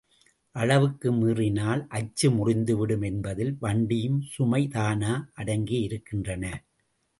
அளவுக்கு மீறினால் அச்சு முறிந்துவிடும் என்பதில் வண்டியும் சுமையும்தானா அடங்கியிருக்கின்றன.